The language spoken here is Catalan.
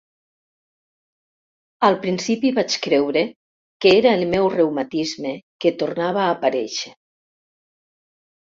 Al principi vaig creure que era el meu reumatisme que tornava a aparèixer.